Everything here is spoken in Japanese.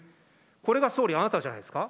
これは総理、あなたじゃないです